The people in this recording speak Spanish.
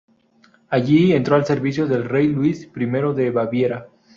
Allí entró al servicio del rey Luis I de Baviera.